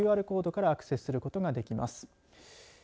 ＱＲコードからアクセスすることができます。